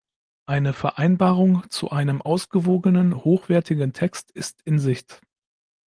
Eine Vereinbarung zu einem ausgewogenen, hochwertigen Text ist in Sicht.